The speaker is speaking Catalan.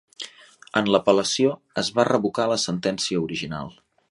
En apel·lació es va revocar la sentència original.